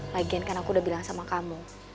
lagian kan aku udah bilang sama kamu